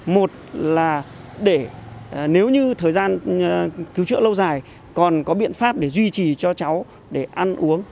một là để nếu như thời gian cứu chữa lâu dài còn có biện pháp để duy trì cho cháu để ăn uống